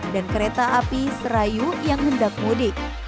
dan kereta api serayu yang mendak mudik